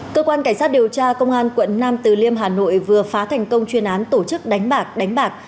cơ quan cảnh sát điều tra công an quận nam từ liêm hà nội vừa phá thành công chuyên án tổ chức đánh bạc đánh bạc